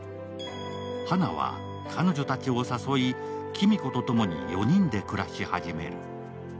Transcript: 花は彼女たちを誘い、黄美子とともに４人で暮らし始める。